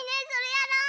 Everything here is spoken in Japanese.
やろう！